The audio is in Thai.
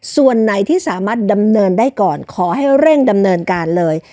ส่วนไหนที่สามารถดำเนินได้ก่อนขอให้เร่งดำเนินการเลย